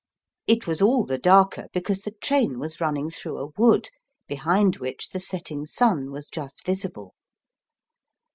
It was all the darker, because the train was running through a wood, be hind which the setting sun was just visible.